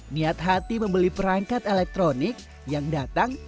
niat hati membeli perangkat elektronik yang datang